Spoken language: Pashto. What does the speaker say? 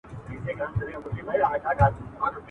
o بده ښځه تنگه موچڼه ده.